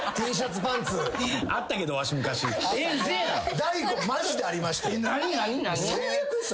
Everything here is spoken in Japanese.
大悟マジでありましたよ。